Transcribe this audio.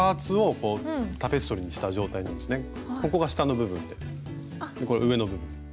ここが下の部分でこれ上の部分。